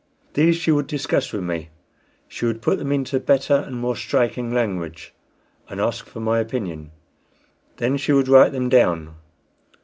These she would discuss with me; she would put them into better and more striking language, and ask for my opinion. Then she would write them down.